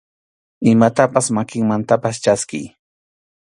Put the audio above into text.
Imatapas makinmantapas chaskiy.